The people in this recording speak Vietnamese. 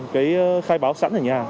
cái khai báo sẵn ở nhà